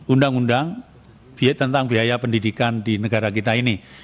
undang undang tentang biaya pendidikan di negara kita ini